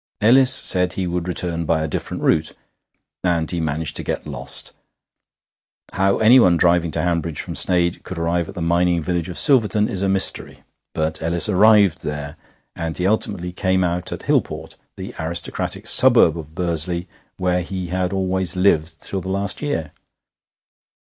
Ellis said he would return by a different route, and he managed to get lost. How anyone driving to Hanbridge from Sneyd could arrive at the mining village of Silverton is a mystery. But Ellis arrived there, and he ultimately came out at Hillport, the aristocratic suburb of Bursley, where he had always lived till the last year.